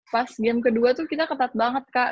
pas game kedua tuh kita ketat banget kak